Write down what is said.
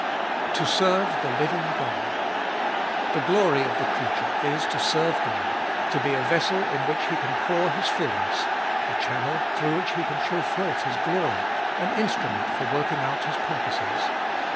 To serve the living God ! The glory of the creature is to serve God, to be a vessel in which He can pour His fulness, a channel through which He can show forth His glory, an instrument for working out His purposes.